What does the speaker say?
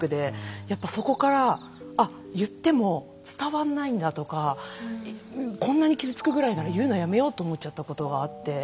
やっぱそこから言っても伝わんないんだとかこんなに傷つくぐらいなら言うのやめようと思っちゃったことがあって。